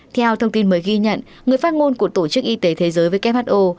theo thông tin mới ghi nhận người phát ngôn của tổ chức y tế thế giới who